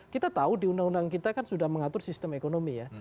kita tahu di undang undang kita kan sudah mengatur sistem ekonomi ya